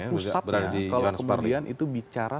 kalau kemudian itu bicara